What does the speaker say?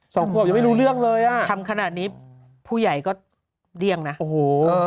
สองขวบยังไม่รู้เรื่องเลยอ่ะทำขนาดนี้ผู้ใหญ่ก็เลี่ยงนะโอ้โห